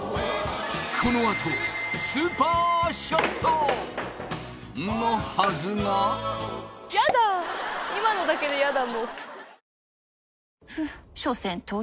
このあとスーパーショット！のはずが今のだけでヤダ